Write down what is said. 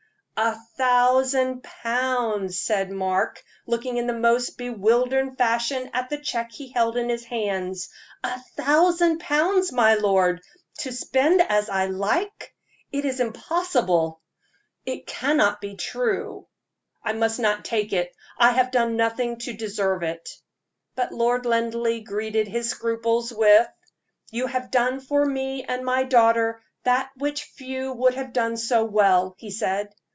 "A thousand pounds!" said Mark, looking in the most bewildered fashion at the check he held in his hand "a thousand pounds, my lord, to spend as I like! It is impossible it cannot be true. I must not take it I have done nothing to deserve it." But Lord Linleigh greeted his scruples with: "You have done for me and my daughter that which few would have done so well," he said.